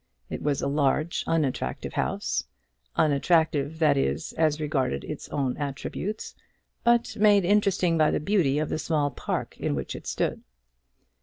It was a large unattractive house, unattractive, that is, as regarded its own attributes, but made interesting by the beauty of the small park in which it stood.